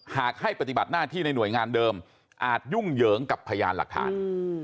หากให้ปฏิบัติหน้าที่ในหน่วยงานเดิมอาจยุ่งเหยิงกับพยานหลักฐาน